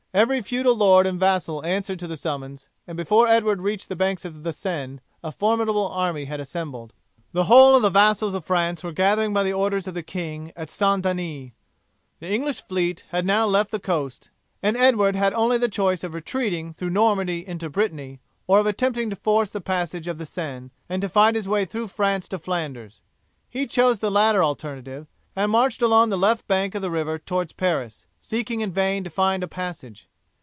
Every feudal lord and vassal answered to the summons, and before Edward reached the banks of the Seine a formidable army had assembled. The whole of the vassals of France were gathering by the orders of the king at St. Denis. The English fleet had now left the coast, and Edward had only the choice of retreating through Normandy into Brittany or of attempting to force the passage of the Seine, and to fight his way through France to Flanders. He chose the latter alternative, and marched along the left bank of the river towards Paris, seeking in vain to find a passage.